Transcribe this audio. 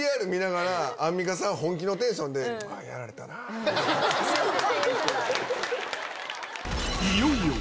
ＶＴＲ見ながら、アンミカさん、本気のテンションで、やられたなーって。